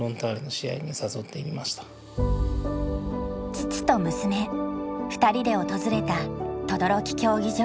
父と娘２人で訪れた等々力競技場。